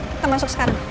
kita masuk sekarang